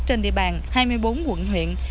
trên địa bàn hai mươi bốn quận huyện